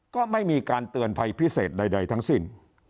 ก็ไม่มีการเตือนภัยพิเศษใดทั้งสิ้น